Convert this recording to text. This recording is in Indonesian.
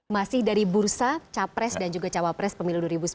masih dari bursa capres dan juga cawapres pemilu dua ribu sembilan belas